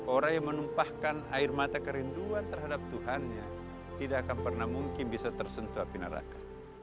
orang yang menumpahkan air mata kerinduan terhadap tuhannya tidak akan pernah mungkin bisa tersentuh api neraka